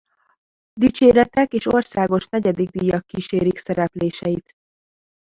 Dicséretek és országos negyedik díjak kísérik szerepléseit.